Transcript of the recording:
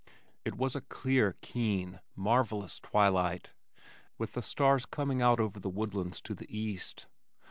It was a clear, keen, marvellous twilight, with the stars coming out over the woodlands to the east.